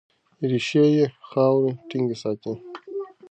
ریښې یې خاوره ټینګه ساتي.